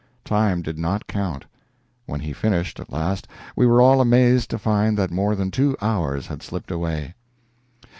Time did not count. When he finished, at last, we were all amazed to find that more than two hours had slipped away.